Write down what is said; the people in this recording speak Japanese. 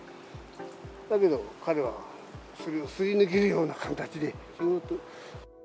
だけど、彼はそれをすり抜けるような形で、ひゅーっと。